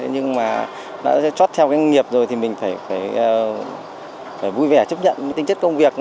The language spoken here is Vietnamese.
nhưng mà đã trót theo cái nghiệp rồi thì mình phải vui vẻ chấp nhận tính chất công việc